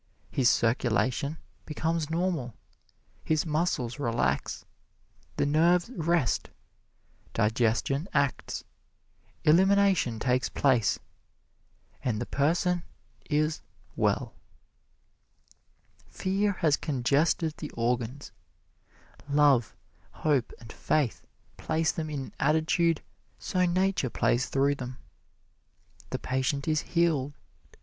His circulation becomes normal, his muscles relax, the nerves rest, digestion acts, elimination takes place and the person is well. Fear has congested the organs love, hope and faith place them in an attitude so Nature plays through them. The patient is healed.